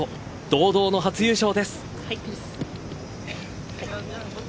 堂々の初優勝です。